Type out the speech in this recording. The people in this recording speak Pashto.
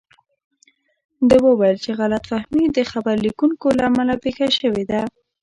ده وویل چې غلط فهمي د خبر لیکونکو له امله پېښه شوې ده.